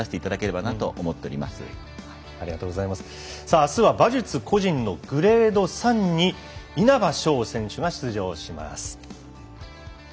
あすは馬術個人のグレード３に稲葉将選手が出場します。